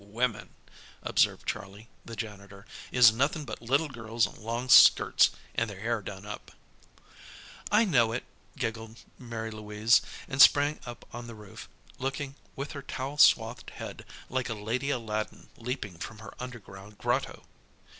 "Wimmin," observed Charlie, the janitor, "is nothin' but little girls in long skirts, and their hair done up." "I know it," giggled Mary Louise, and sprang up on the roof, looking, with her towel swathed head, like a lady Aladdin leaping from her underground grotto.